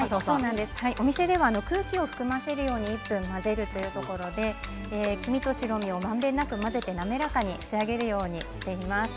お店では空気を含ませるように１分混ぜるというところで黄身と白身をまんべんなく混ぜて滑らかに仕上がるようにしています。